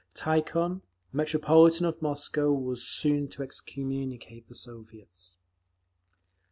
Tikhon, Metropolitan of Moscow, was soon to excommunicate the Soviets….